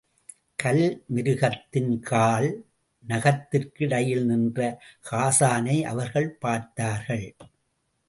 கல் மிருகத்தின் கால் நகத்திற்கிடையிலே நின்ற ஹாஸானை அவர்கள் பார்த்தார்கள்.